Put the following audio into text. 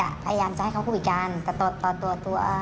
สามารถจะเข้าใจอะไรกันผิดได้